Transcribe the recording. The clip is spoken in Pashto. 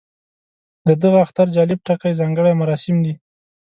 د دغه اختر جالب ټکی ځانګړي مراسم دي.